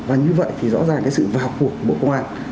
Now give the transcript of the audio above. và như vậy thì rõ ràng cái sự vào cuộc của bộ công an